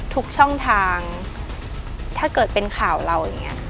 ทุกช่องทางถ้าเกิดเป็นข่าวเราอย่างนี้